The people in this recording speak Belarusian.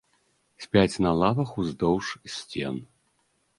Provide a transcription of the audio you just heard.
Спяць на лавах уздоўж сцен.